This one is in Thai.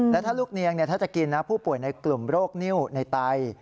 และถ้าลูกเนียงถ้าจะกินนะผู้ป่วยในกลุ่มโรคนิ้วในไต